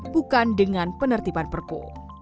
bukan dengan penertiban perpu